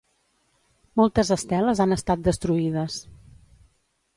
Moltes esteles han estat destruïdes.